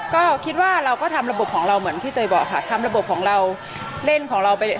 ก็คิดว่าเราก็ทำระบบของเราเหมือนที่เตยบอกค่ะทำระบบของเราเล่นของเราไปเลย